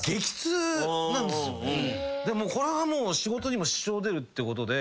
これはもう仕事にも支障出るってことで。